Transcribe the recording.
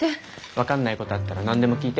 分かんないことあったら何でも聞いて。